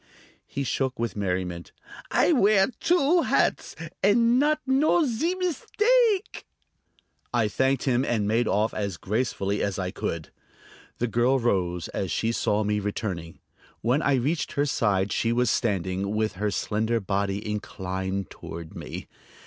He shook with merriment. "I wear two hats and not know zee meestake!" I thanked him and made off as gracefully as I could. The girl rose as she saw me returning. When I reached her side she was standing with her slender body inclined toward me.